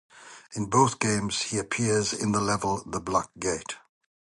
In both games, he appears in the level "The Black Gate".